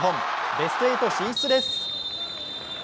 ベスト８進出です。